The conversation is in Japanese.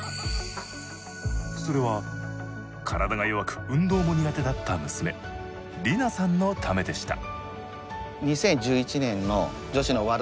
それは体が弱く運動も苦手だった娘里南さんのためでした。